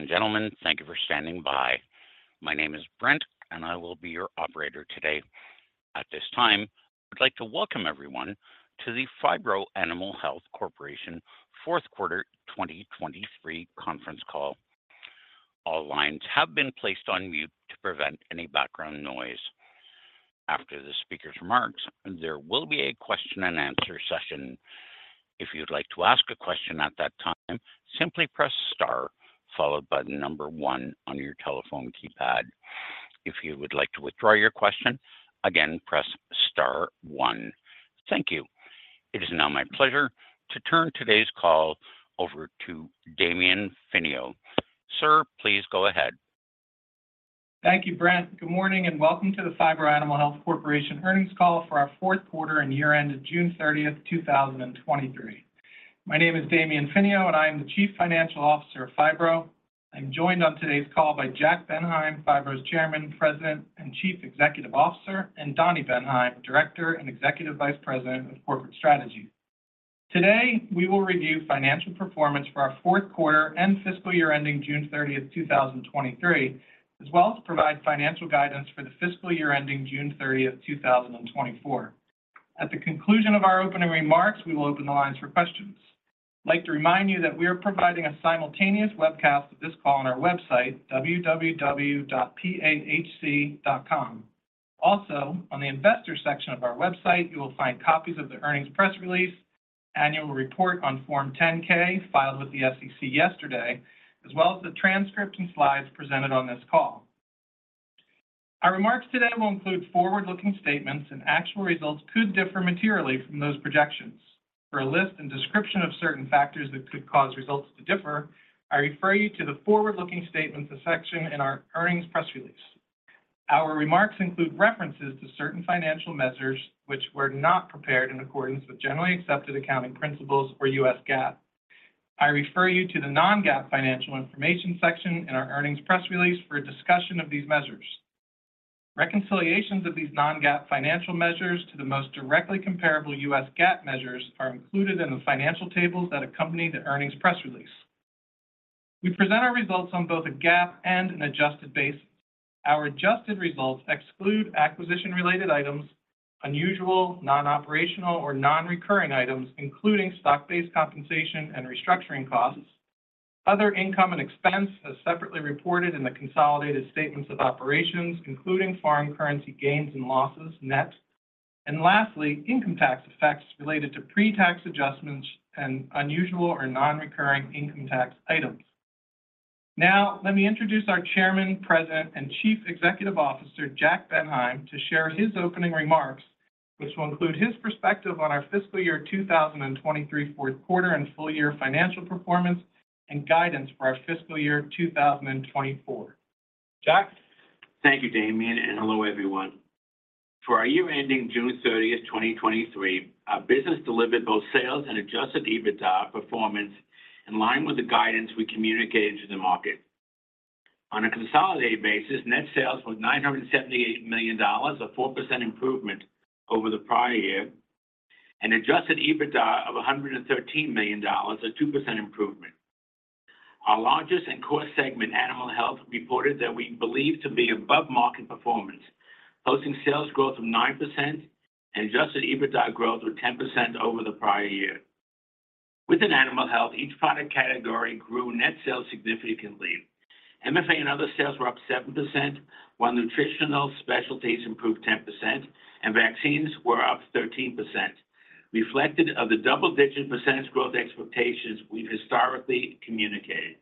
Ladies and gentlemen, thank you for standing by. My name is Brent, and I will be your operator today. At this time, I'd like to welcome everyone to the Phibro Animal Health Corporation fourth quarter 2023 conference call. All lines have been placed on mute to prevent any background noise. After the speaker's remarks, there will be a question and answer session. If you'd like to ask a question at that time, simply press Star followed by the number 1 on your telephone keypad. If you would like to withdraw your question, again, press Star 1. Thank you. It is now my pleasure to turn today's call over to Damian Finio. Sir, please go ahead. Thank you, Brent. Good morning, and welcome to the Phibro Animal Health Corporation earnings call for our fourth quarter and year end of June 30, 2023. My name is Damian Finio, and I am the Chief Financial Officer of Phibro. I'm joined on today's call by Jack Bendheim, Phibro's Chairman, President, and Chief Executive Officer, and Donnie Bendheim, Director and Executive Vice President of Corporate Strategy. Today, we will review financial performance for our fourth quarter and fiscal year ending June 30, 2023, as well as provide financial guidance for the fiscal year ending June 30, 2024. At the conclusion of our opening remarks, we will open the lines for questions. I'd like to remind you that we are providing a simultaneous webcast of this call on our website, www.pahc.com. Also, on the investor section of our website, you will find copies of the earnings press release, annual report on Form 10-K, filed with the SEC yesterday, as well as the transcript and slides presented on this call. Our remarks today will include forward-looking statements, and actual results could differ materially from those projections. For a list and description of certain factors that could cause results to differ, I refer you to the forward-looking statements section in our earnings press release. Our remarks include references to certain financial measures, which were not prepared in accordance with generally accepted accounting principles or U.S. GAAP. I refer you to the non-GAAP financial information section in our earnings press release for a discussion of these measures. Reconciliations of these non-GAAP financial measures to the most directly comparable U.S. GAAP measures are included in the financial tables that accompany the earnings press release. We present our results on both a GAAP and an adjusted basis. Our adjusted results exclude acquisition-related items, unusual, non-operational or non-recurring items, including stock-based compensation and restructuring costs, other income and expense as separately reported in the consolidated statements of operations, including foreign currency gains and losses net, and lastly, income tax effects related to pre-tax adjustments and unusual or non-recurring income tax items. Now, let me introduce our Chairman, President, and Chief Executive Officer, Jack Bendheim, to share his opening remarks, which will include his perspective on our fiscal year 2023, fourth quarter, and full year financial performance and guidance for our fiscal year 2024. Jack? Thank you, Damian, and hello, everyone. For our year ending June 30, 2023, our business delivered both sales and Adjusted EBITDA performance in line with the guidance we communicated to the market. On a consolidated basis, net sales was $978 million, a 4% improvement over the prior year, and Adjusted EBITDA of $113 million, a 2% improvement. Our largest and core segment, Animal Health, reported that we believe to be above-market performance, hosting sales growth of 9% and Adjusted EBITDA growth with 10% over the prior year. Within Animal Health, each product category grew net sales significantly. MFA and other sales were up 7%, while Nutritional Specialties improved 10%, and vaccines were up 13%, reflective of the double-digit percentage growth expectations we've historically communicated.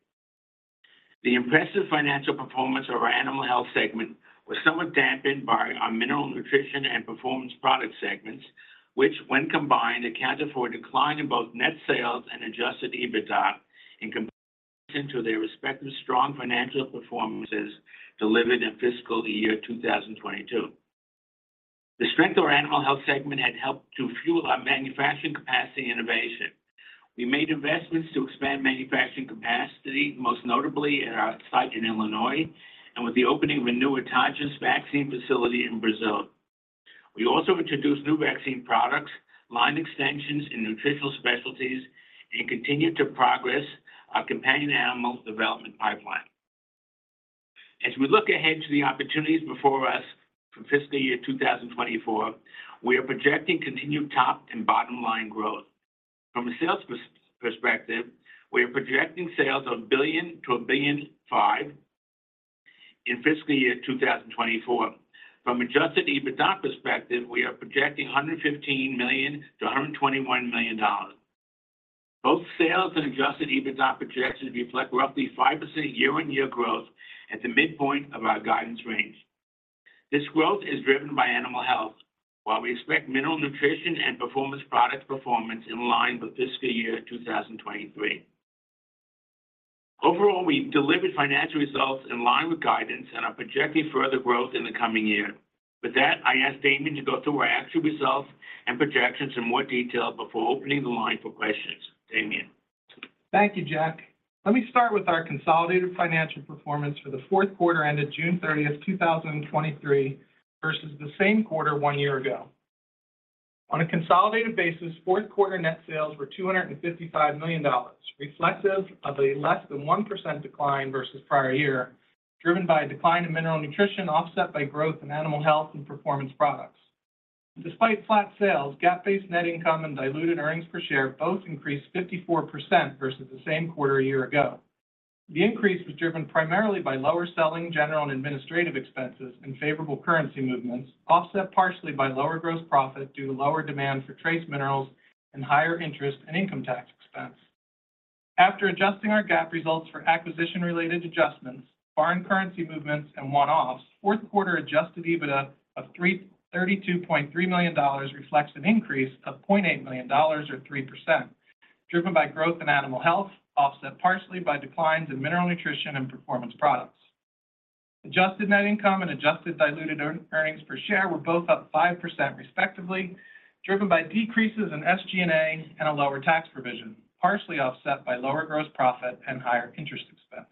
The impressive financial performance of our Animal Health segment was somewhat dampened by our Mineral Nutrition and Performance Products segments, which, when combined, accounted for a decline in both net sales and Adjusted EBITDA in comparison to their respective strong financial performances delivered in fiscal year 2022. The strength of our Animal Health segment had helped to fuel our manufacturing capacity innovation. We made investments to expand manufacturing capacity, most notably at our site in Illinois, and with the opening of a new autogenous vaccine facility in Brazil. We also introduced new vaccine products, line extensions in Nutritional Specialties, and continued to progress our companion animal development pipeline. As we look ahead to the opportunities before us for fiscal year 2024, we are projecting continued top and bottom line growth. From a sales perspective, we are projecting sales of $1 billion-$1.5 billion in fiscal year 2024. From Adjusted EBITDA perspective, we are projecting $115 million-$121 million. Both sales and Adjusted EBITDA projections reflect roughly 5% year-on-year growth at the midpoint of our guidance range. This growth is driven by Animal Health, while we expect Mineral Nutrition and Performance Products performance in line with fiscal year 2023. Overall, we've delivered financial results in line with guidance and are projecting further growth in the coming year. With that, I ask Damian to go through our actual results and projections in more detail before opening the line for questions. Damian. Thank you, Jack. Let me start with our consolidated financial performance for the fourth quarter ended June 30, 2023, versus the same quarter one year ago. On a consolidated basis, fourth quarter net sales were $255 million, reflective of a less than 1% decline versus prior year, driven by a decline in mineral nutrition, offset by growth in animal health and performance products. Despite flat sales, GAAP-based net income and diluted earnings per share both increased 54% versus the same quarter a year ago. The increase was driven primarily by lower selling, general, and administrative expenses and favorable currency movements, offset partially by lower gross profit due to lower demand for trace minerals and higher interest and income tax expense. After adjusting our GAAP results for acquisition-related adjustments, foreign currency movements, and one-offs, fourth quarter adjusted EBITDA of $32.3 million reflects an increase of $0.8 million, or 3%, driven by growth in animal health, offset partially by declines in mineral nutrition and performance products. Adjusted net income and adjusted diluted earnings per share were both up 5% respectively, driven by decreases in SG&A and a lower tax provision, partially offset by lower gross profit and higher interest expense.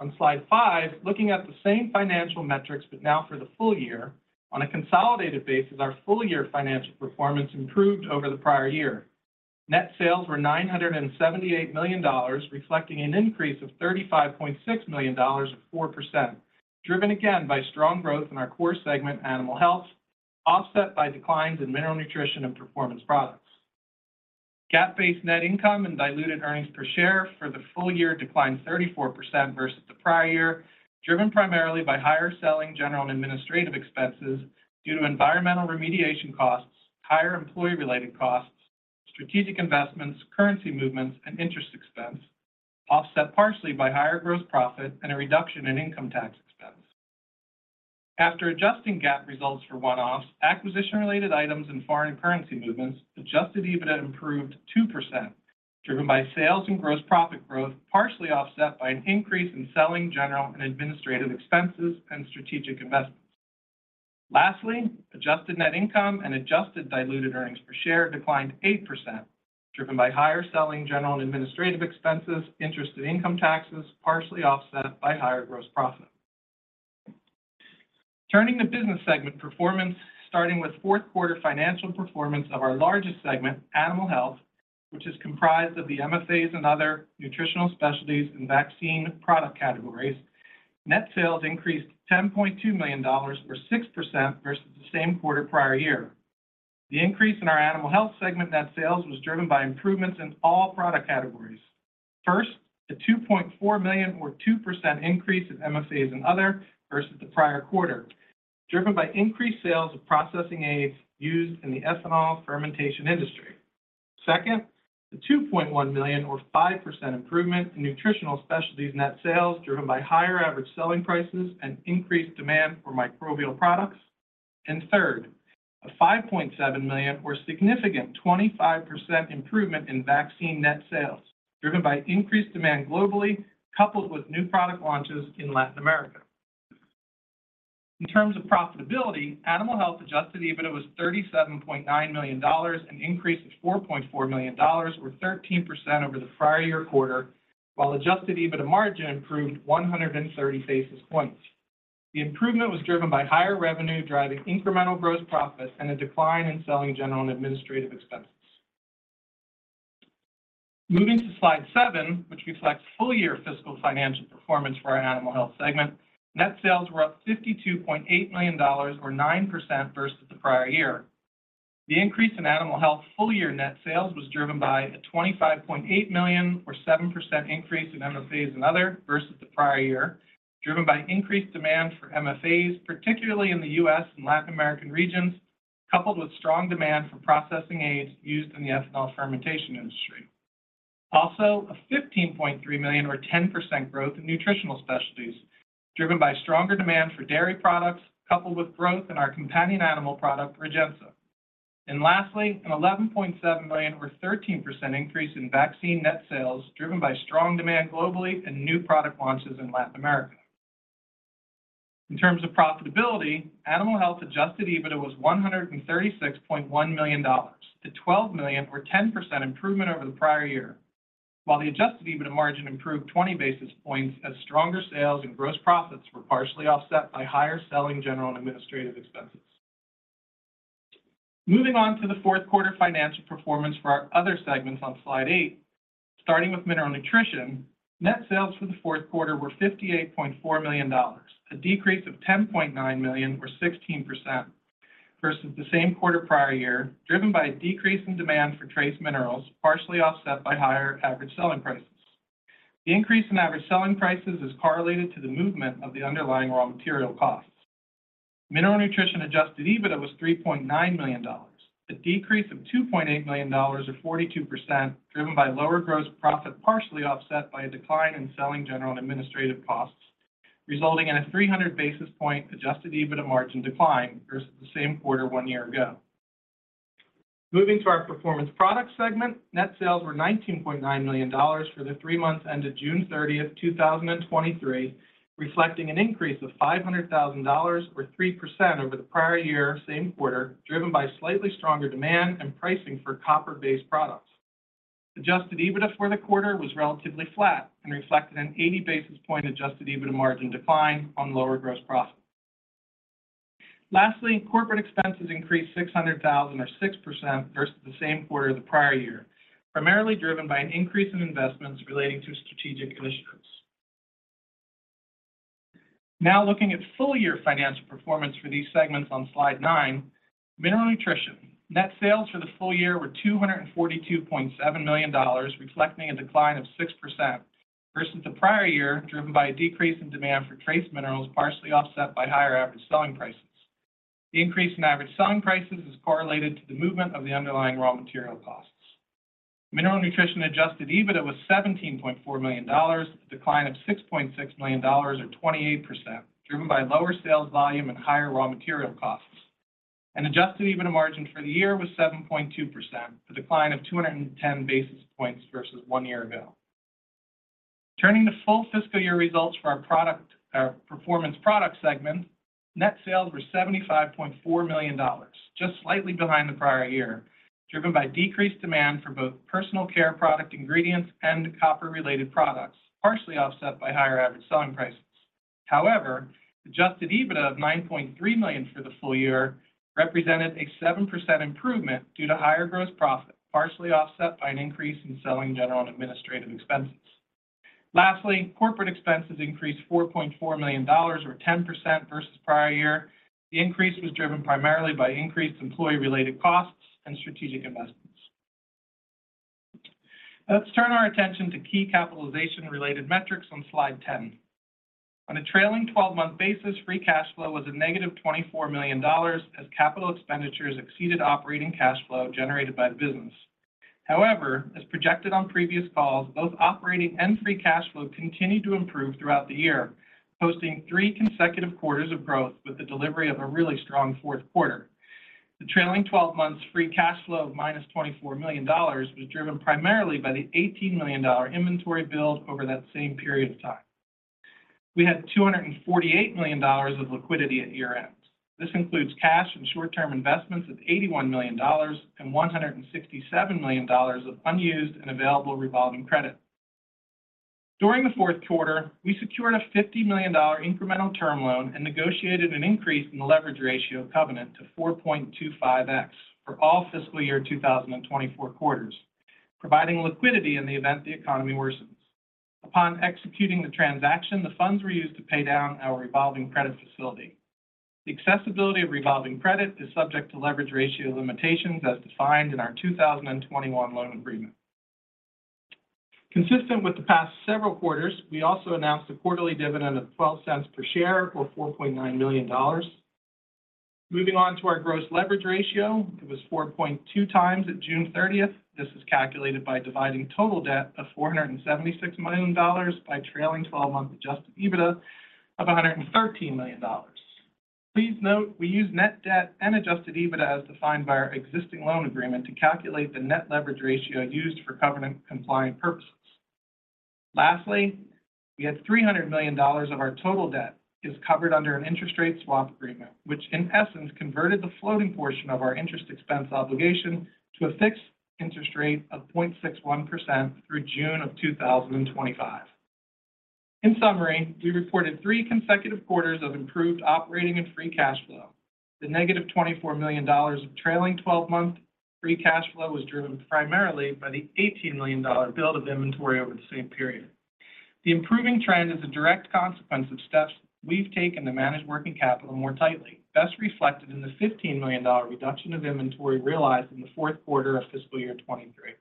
On slide five, looking at the same financial metrics, but now for the full year, on a consolidated basis, our full-year financial performance improved over the prior year. Net sales were $978 million, reflecting an increase of $35.6 million, or 4%, driven again by strong growth in our core segment, Animal Health, offset by declines in mineral nutrition and performance products. GAAP-based net income and diluted earnings per share for the full year declined 34% versus the prior year, driven primarily by higher selling, general, and administrative expenses due to environmental remediation costs, higher employee-related costs, strategic investments, currency movements, and interest expense, offset partially by higher gross profit and a reduction in income tax expense. After adjusting GAAP results for one-offs, acquisition-related items and foreign currency movements, Adjusted EBITDA improved 2%, driven by sales and gross profit growth, partially offset by an increase in selling, general, and administrative expenses and strategic investments. Lastly, adjusted net income and adjusted diluted earnings per share declined 8%, driven by higher selling, general, and administrative expenses, interest and income taxes, partially offset by higher gross profit. Turning to business segment performance, starting with fourth quarter financial performance of our largest segment, Animal Health, which is comprised of the MFAs and other Nutritional Specialties and Vaccines product categories. Net sales increased $10.2 million, or 6% versus the same quarter prior year. The increase in our Animal Health segment net sales was driven by improvements in all product categories. First, the $2.4 million or 2% increase in MFAs and other versus the prior quarter, driven by increased sales of processing aids used in the Ethanol Fermentation industry. Second, the $2.1 million or 5% improvement in Nutritional Specialties net sales, driven by higher average selling prices and increased demand for Microbial Products. Third, a $5.7 million or significant 25% improvement in vaccine net sales, driven by increased demand globally, coupled with new product launches in Latin America. In terms of profitability, Animal Health Adjusted EBITDA was $37.9 million, an increase of $4.4 million, or 13% over the prior year quarter, while Adjusted EBITDA margin improved 130 basis points. The improvement was driven by higher revenue, driving incremental gross profit and a decline in selling, general, and administrative expenses. Moving to Slide 7, which reflects full-year fiscal financial performance for our Animal Health segment, net sales were up $52.8 million or 9% versus the prior year. The increase in Animal Health full-year net sales was driven by a $25.8 million or 7% increase in MFAs and other versus the prior year, driven by increased demand for MFAs, particularly in the U.S. and Latin American regions, coupled with strong demand for processing aids used in the ethanol fermentation industry. Also, a $15.3 million or 10% growth in nutritional specialties, driven by stronger demand for dairy products, coupled with growth in our companion animal product, Rejensa. And lastly, an $11.7 million, or 13% increase in vaccine net sales, driven by strong demand globally and new product launches in Latin America. In terms of profitability, Animal Health Adjusted EBITDA was $136.1 million, a $12 million or 10% improvement over the prior year. While the Adjusted EBITDA margin improved 20 basis points as stronger sales and gross profits were partially offset by higher selling general and administrative expenses. Moving on to the fourth quarter financial performance for our other segments on Slide 8. Starting with Mineral Nutrition, net sales for the fourth quarter were $58.4 million, a decrease of $10.9 million or 16% versus the same quarter prior year, driven by a decrease in demand for Trace Minerals, partially offset by higher average selling prices. The increase in average selling prices is correlated to the movement of the underlying raw material costs. Mineral Nutrition Adjusted EBITDA was $3.9 million. A decrease of $2.8 million or 42%, driven by lower gross profit, partially offset by a decline in selling, general, and administrative costs, resulting in a 300 basis point Adjusted EBITDA margin decline versus the same quarter one year ago. Moving to our performance products segment. Net sales were $19.9 million for the three months ended June 30, 2023, reflecting an increase of $500,000 or 3% over the prior year, same quarter, driven by slightly stronger demand and pricing for copper-based products. Adjusted EBITDA for the quarter was relatively flat and reflected an 80 basis point Adjusted EBITDA margin decline on lower gross profit. Lastly, corporate expenses increased $600,000 or 6% versus the same quarter of the prior year, primarily driven by an increase in investments relating to strategic initiatives. Now looking at full-year financial performance for these segments on Slide 9. Mineral Nutrition. Net sales for the full year were $242.7 million, reflecting a decline of 6% versus the prior year, driven by a decrease in demand for trace minerals, partially offset by higher average selling prices. The increase in average selling prices is correlated to the movement of the underlying raw material costs. Mineral Nutrition Adjusted EBITDA was $17.4 million, a decline of $6.6 million, or 28%, driven by lower sales volume and higher raw material costs. An Adjusted EBITDA margin for the year was 7.2%, a decline of 210 basis points versus one year ago. Turning to full fiscal year results for our product, our Performance Products segment, net sales were $75.4 million, just slightly behind the prior year, driven by decreased demand for both personal care product ingredients and copper-related products, partially offset by higher average selling prices. However, Adjusted EBITDA of $9.3 million for the full year represented a 7% improvement due to higher gross profit, partially offset by an increase in selling general and administrative expenses. Lastly, corporate expenses increased $4.4 million or 10% versus prior year. The increase was driven primarily by increased employee-related costs and strategic investments. Let's turn our attention to key capitalization-related metrics on Slide 10. On a trailing twelve-month basis, free cash flow was a negative $24 million, as capital expenditures exceeded operating cash flow generated by the business. However, as projected on previous calls, both operating and free cash flow continued to improve throughout the year, posting 3 consecutive quarters of growth with the delivery of a really strong fourth quarter. The trailing twelve months free cash flow of -$24 million was driven primarily by the $18 million inventory build over that same period of time. We had $248 million of liquidity at year-end. This includes cash and short-term investments of $81 million and $167 million of unused and available revolving credit. During the fourth quarter, we secured a $50 million incremental term loan and negotiated an increase in the leverage ratio covenant to 4.25x for all fiscal year 2024 quarters, providing liquidity in the event the economy worsens. Upon executing the transaction, the funds were used to pay down our revolving credit facility. The accessibility of revolving credit is subject to leverage ratio limitations as defined in our 2021 loan agreement. Consistent with the past several quarters, we also announced a quarterly dividend of $0.12 per share, or $4.9 million. Moving on to our gross leverage ratio, it was 4.2 times at June 30. This is calculated by dividing total debt of $476 million by trailing twelve-month Adjusted EBITDA of $113 million. Please note, we use net debt and Adjusted EBITDA as defined by our existing loan agreement to calculate the net leverage ratio used for covenant compliant purposes. Lastly, we had $300 million of our total debt is covered under an interest rate swap agreement, which in essence, converted the floating portion of our interest expense obligation to a fixed interest rate of 0.61% through June 2025. In summary, we reported 3 consecutive quarters of improved operating and free cash flow. The -$24 million of trailing twelve-month free cash flow was driven primarily by the $18 million build of inventory over the same period. The improving trend is a direct consequence of steps we've taken to manage working capital more tightly, best reflected in the $15 million reduction of inventory realized in the fourth quarter of fiscal year 2023.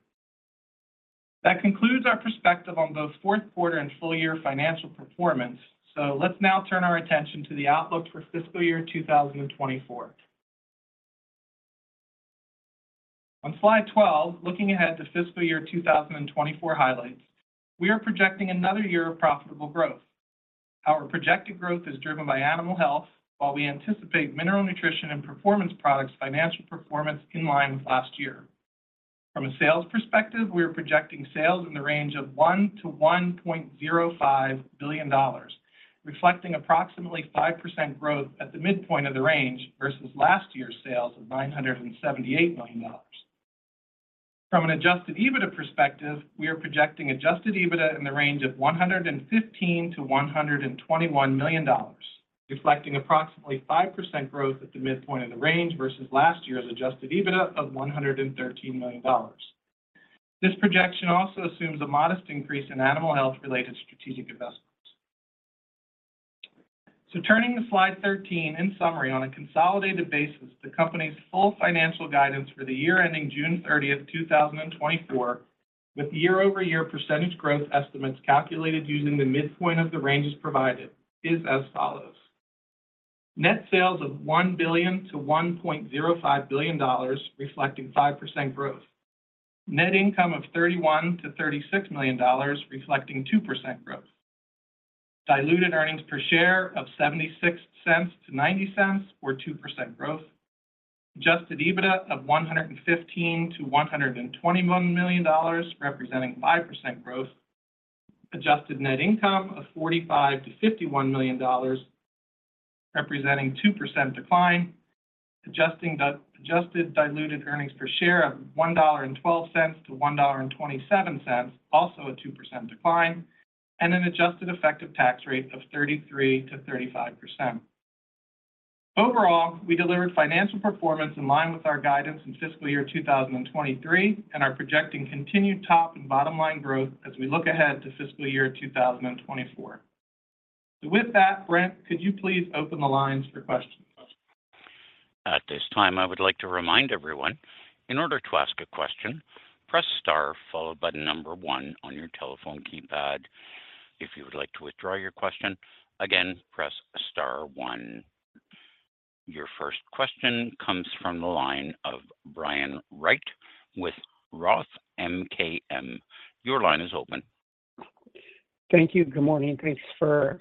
That concludes our perspective on both fourth quarter and full-year financial performance. So let's now turn our attention to the outlook for fiscal year 2024. On Slide 12, looking ahead to fiscal year 2024 highlights, we are projecting another year of profitable growth. Our projected growth is driven by Animal Health, while we anticipate Mineral Nutrition and Performance Products financial performance in line with last year. From a sales perspective, we are projecting sales in the range of $1 billion-$1.05 billion, reflecting approximately 5% growth at the midpoint of the range versus last year's sales of $978 million. From an Adjusted EBITDA perspective, we are projecting Adjusted EBITDA in the range of $115 million-$121 million, reflecting approximately 5% growth at the midpoint of the range versus last year's Adjusted EBITDA of $113 million. This projection also assumes a modest increase in Animal Health-related strategic investments. Turning to Slide 13, in summary, on a consolidated basis, the company's full financial guidance for the year ending June 30, 2024, with year-over-year percentage growth estimates calculated using the midpoint of the ranges provided, is as follows: Net sales of $1 billion-$1.05 billion, reflecting 5% growth. Net income of $31 million-$36 million, reflecting 2% growth. Diluted earnings per share of $0.76-$0.90, or 2% growth. Adjusted EBITDA of $115 million-$121 million, representing 5% growth. Adjusted net income of $45 million-$51 million representing 2% decline, adjusting the adjusted diluted earnings per share of $1.12 to $1.27, also a 2% decline, and an adjusted effective tax rate of 33%-35%. Overall, we delivered financial performance in line with our guidance in fiscal year 2023, and are projecting continued top and bottom line growth as we look ahead to fiscal year 2024. So with that, Brent, could you please open the lines for questions? At this time, I would like to remind everyone, in order to ask a question, press star followed by the number one on your telephone keypad. If you would like to withdraw your question again, press star one. Your first question comes from the line of Brian Wright with Roth MKM. Your line is open. Thank you. Good morning, and thanks for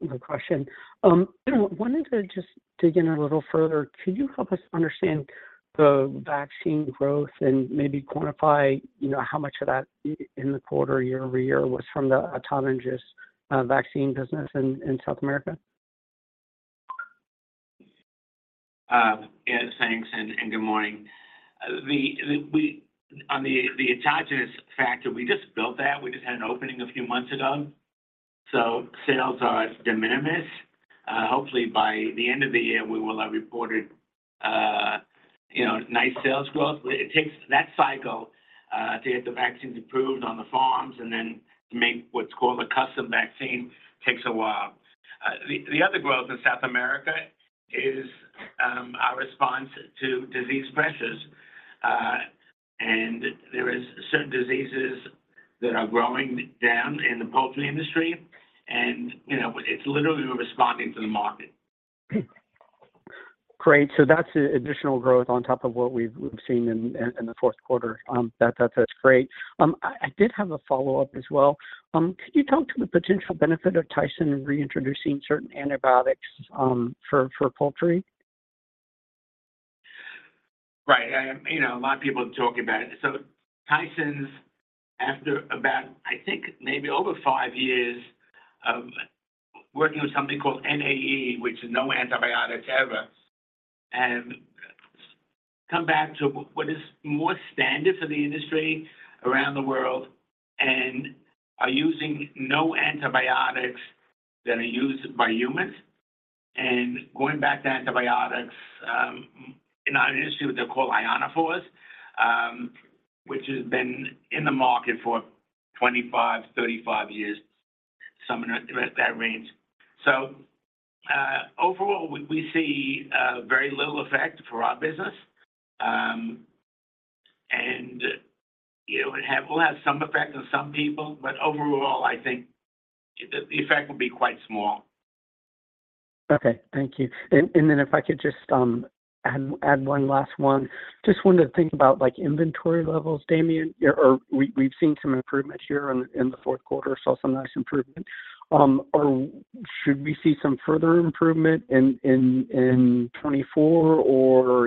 the question. You know, wanted to just dig in a little further. Could you help us understand the vaccine growth and maybe quantify, you know, how much of that in the quarter year over year was from the autogenous vaccine business in South America? Yes. Thanks, and good morning. On the autogenous factor, we just built that. We just had an opening a few months ago, so sales are de minimis. Hopefully, by the end of the year, we will have reported, you know, nice sales growth. But it takes that cycle to get the vaccines approved on the farms and then make what's called a custom vaccine. Takes a while. The other growth in South America is our response to disease pressures. And there is certain diseases that are growing down in the poultry industry and, you know, it's literally we're responding to the market. Great. So that's additional growth on top of what we've seen in the fourth quarter. That's great. I did have a follow-up as well. Could you talk to the potential benefit of Tyson in reintroducing certain antibiotics for poultry? Right. You know, a lot of people are talking about it. So Tyson's, after about, I think, maybe over five years of working with something called NAE, which is no antibiotics ever, have come back to what is more standard for the industry around the world and are using no antibiotics that are used by humans. And going back to antibiotics, in our industry, what they call ionophores, which has been in the market for 25-35 years, somewhere in that range. So, overall, we see very little effect for our business. And, you know, it will have some effect on some people, but overall, I think the effect will be quite small. Okay. Thank you. And then if I could just add one last one. Just wanted to think about, like, inventory levels, Damian. Yeah, or we've seen some improvement here in the fourth quarter, saw some nice improvement. Should we see some further improvement in 2024, or are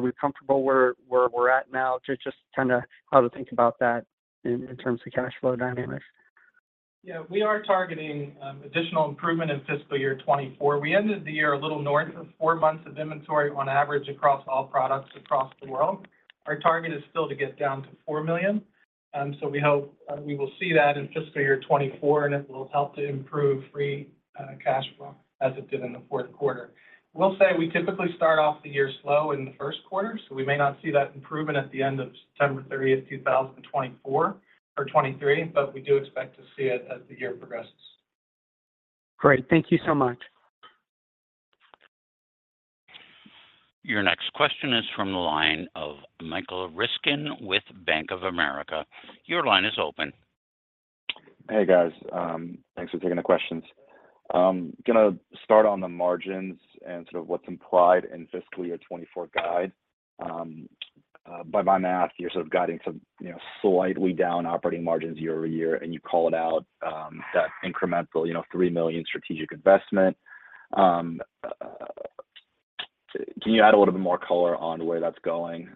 we comfortable where we're at now? Just kinda how to think about that in terms of cash flow dynamics. Yeah, we are targeting additional improvement in fiscal year 2024. We ended the year a little north of 4 months of inventory on average across all products across the world. Our target is still to get down to 4 million, so we hope we will see that in fiscal year 2024, and it will help to improve free cash flow as it did in the fourth quarter. We'll say we typically start off the year slow in the first quarter, so we may not see that improvement at the end of September 30th, 2024 or 2023, but we do expect to see it as the year progresses. Great. Thank you so much. Your next question is from the line of Michael Ryskin with Bank of America. Your line is open. Hey, guys. Thanks for taking the questions. Gonna start on the margins and sort of what's implied in fiscal year 2024 guide. By my math, you're sort of guiding some, you know, slightly down operating margins year-over-year, and you call it out, that incremental, you know, $3 million strategic investment. Can you add a little bit more color on where that's going?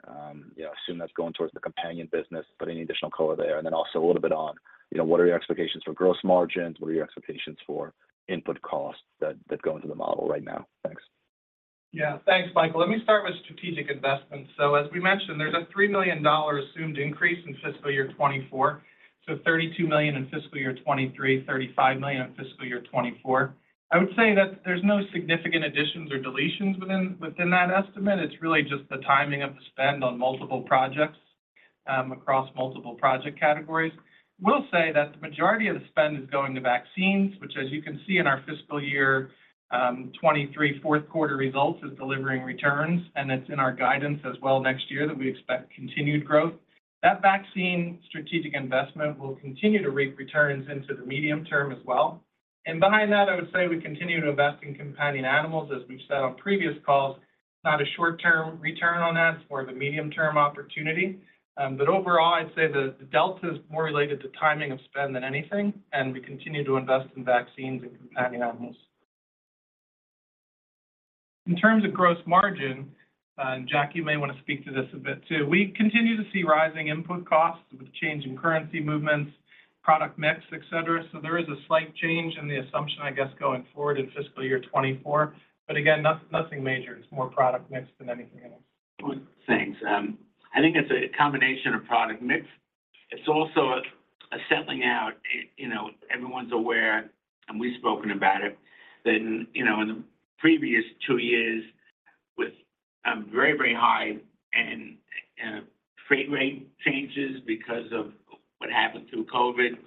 You know, I assume that's going towards the companion business, but any additional color there, and then also a little bit on, you know, what are your expectations for gross margins? What are your expectations for input costs that go into the model right now? Thanks. Yeah. Thanks, Michael. Let me start with strategic investments. So as we mentioned, there's a $3 million assumed increase in fiscal year 2024, so $32 million in fiscal year 2023, $35 million in fiscal year 2024. I would say that there's no significant additions or deletions within that estimate. It's really just the timing of the spend on multiple projects across multiple project categories. We'll say that the majority of the spend is going to vaccines, which, as you can see in our fiscal year 2023 fourth quarter results, is delivering returns, and it's in our guidance as well next year that we expect continued growth. That vaccine strategic investment will continue to reap returns into the medium term as well. And behind that, I would say we continue to invest in companion animals, as we've said on previous calls. Not a short-term return on that, it's more of a medium-term opportunity. But overall, I'd say the delta is more related to timing of spend than anything, and we continue to invest in vaccines and companion animals.... In terms of gross margin, and Jack, you may want to speak to this a bit too. We continue to see rising input costs with change in currency movements, product mix, et cetera. So there is a slight change in the assumption, I guess, going forward in fiscal year 2024. But again, nothing major, it's more product mix than anything else. Thanks. I think it's a combination of product mix. It's also a settling out. You know, everyone's aware, and we've spoken about it, that you know, in the previous two years, with very, very high and freight rate changes because of what happened through COVID.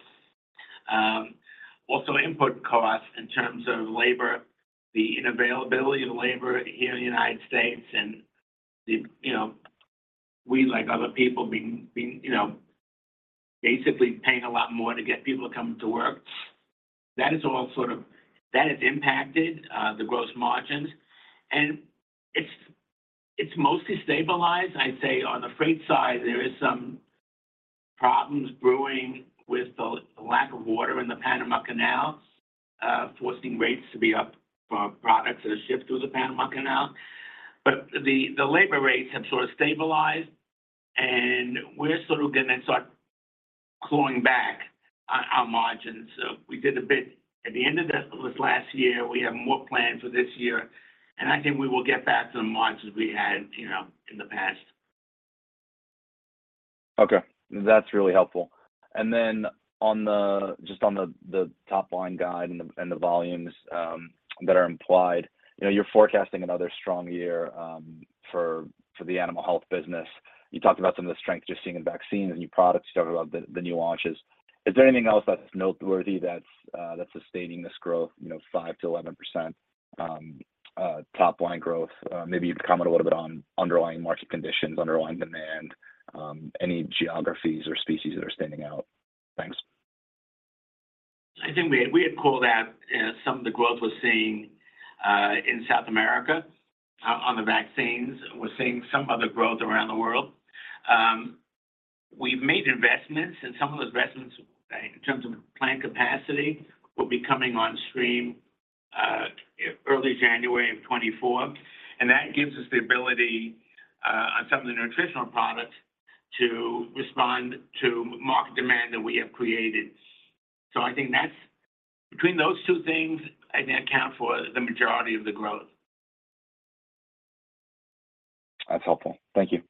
Also input costs in terms of labor, the unavailability of labor here in the United States, and you know, we, like other people, being basically paying a lot more to get people to come to work. That is all sort of. That has impacted the gross margins, and it's mostly stabilized. I'd say on the freight side, there is some problems brewing with the lack of water in the Panama Canal, forcing rates to be up for products that are shipped through the Panama Canal. But the labor rates have sort of stabilized, and we're sort of going to start clawing back on our margins. So we did a bit at the end of this last year. We have more planned for this year, and I think we will get back to the margins we had, you know, in the past. Okay, that's really helpful. And then, just on the top-line guide and the volumes that are implied. You know, you're forecasting another strong year for the animal health business. You talked about some of the strength you're seeing in vaccines and new products. You talked about the new launches. Is there anything else that's noteworthy that's sustaining this growth, you know, 5%-11% top-line growth? Maybe you could comment a little bit on underlying market conditions, underlying demand, any geographies or species that are standing out. Thanks. I think we had, we had called out, some of the growth we're seeing, in South America, on the vaccines. We're seeing some other growth around the world. We've made investments, and some of those investments, in terms of plant capacity, will be coming on stream, early January of 2024, and that gives us the ability, on some of the nutritional products to respond to market demand that we have created. So I think that's, between those two things, I think account for the majority of the growth. That's helpful. Thank you.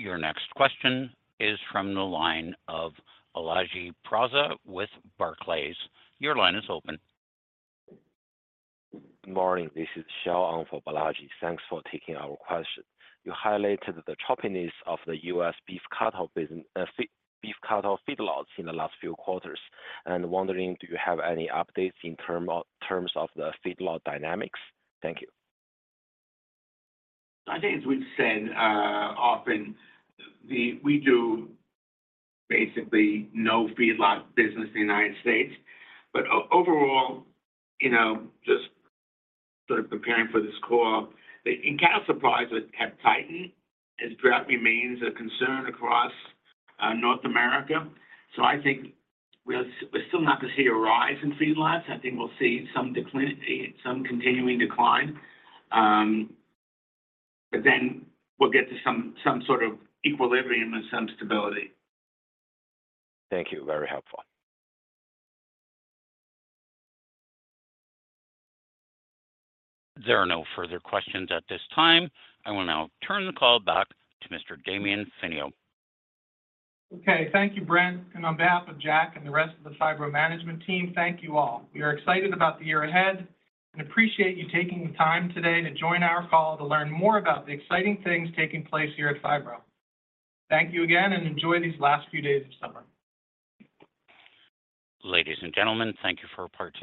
Your next question is from the line of Balaji Prasad with Barclays. Your line is open. Morning, this is Xiao Ang for Balaji. Thanks for taking our question. You highlighted the choppiness of the U.S. beef cattle business, beef cattle feedlots in the last few quarters, and wondering, do you have any updates in terms of the feedlot dynamics? Thank you. I think, as we've said often, we do basically no feedlot business in the United States. But overall, you know, just sort of preparing for this call, the cattle supplies have tightened as drought remains a concern across North America. So I think we're still not going to see a rise in feedlots. I think we'll see some decline, some continuing decline. But then we'll get to some sort of equilibrium and some stability. Thank you. Very helpful. There are no further questions at this time. I will now turn the call back to Mr. Damian Finio. Okay, thank you, Brent, and on behalf of Jack and the rest of the Phibro Management Team, thank you all. We are excited about the year ahead and appreciate you taking the time today to join our call to learn more about the exciting things taking place here at Phibro. Thank you again, and enjoy these last few days of summer. Ladies and gentlemen, thank you for participating.